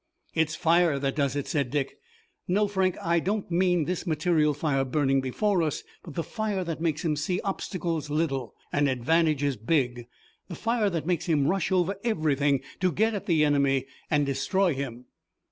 "It's fire that does it," said Dick. "No, Frank, I don't mean this material fire burning before us, but the fire that makes him see obstacles little, and advantages big, the fire that makes him rush over everything to get at the enemy and destroy him."